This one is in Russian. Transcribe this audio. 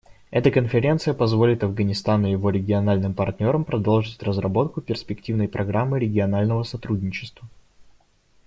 Эта конференция позволит Афганистану и его региональным партнерам продолжить разработку перспективной программы регионального сотрудничества.